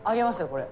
これ。